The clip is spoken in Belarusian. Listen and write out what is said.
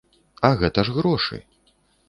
А гэта ж грошы!